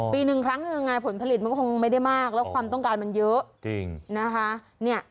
ปีหนึ่งครั้งหนึ่งผลผลิตมันก็คงไม่ได้มากแล้วความต้องการมันเยอะจริงนะคะ